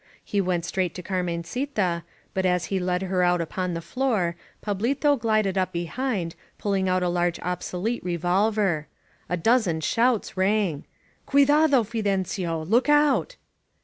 He went straight to Carmencita, but as he led her out upon the floor Pablito gUded up behind, pulling out a large obsolete revolver. A dozen shouts rang: CtUdado9 Fidencio! Look out!"